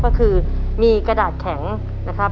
ก็คือมีกระดาษแข็งนะครับ